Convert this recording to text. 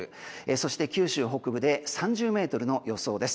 そして九州北部で３０メートルの予想です。